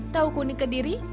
tahu kuning kediri